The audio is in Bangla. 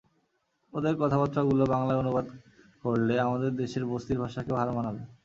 ওদের কথাবার্তাগুলো বাংলায় অনুবাদ করলে আমাদের দেশের বস্তির ভাষাকেও হার মানাবে।